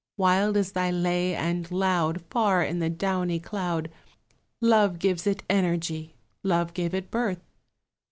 Wild is thy lay and loud Far in the downy cloud, Love gives it energy, love gave it birth.